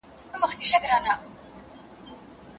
سبا به هیڅوک د بل حق نه خوړوي.